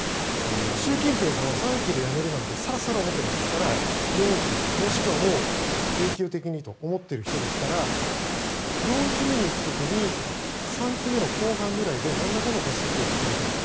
習近平さんは３期で辞めるなんてさらさら思ってないですから４期、もしくは永久的にと思っている人ですから４期目に行く時に３期目の後半くらいでなんらかの実績を作りたいとか。